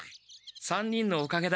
３人のおかげだ。